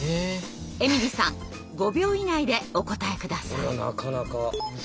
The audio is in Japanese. ＥＭＩＬＹさん５秒以内でお答え下さい。